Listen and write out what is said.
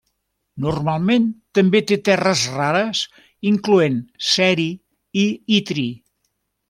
Normalment també té terres rares incloent ceri i itri.